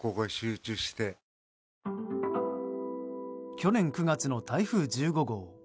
去年９月の台風１５号。